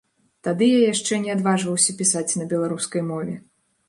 Тады я яшчэ не адважваўся пісаць на беларускай мове.